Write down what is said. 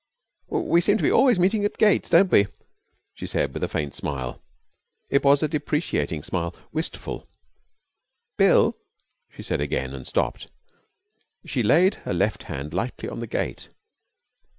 'We seem always to be meeting at gates, don't we?' she said, with a faint smile. It was a deprecating smile, wistful. 'Bill!' she said again, and stopped. She laid her left hand lightly on the gate.